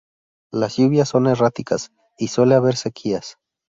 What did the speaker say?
Las lluvias son erráticas y suele haber sequías.